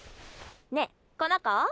ねえこの子？